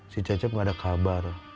si cecep nggak ada kabar